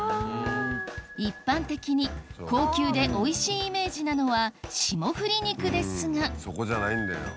一般的に高級でおいしいイメージなのは霜降り肉ですがそこじゃないんだよ。